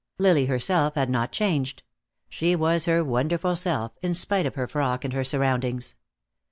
Lily herself had not changed. She was her wonderful self, in spite of her frock and her surroundings.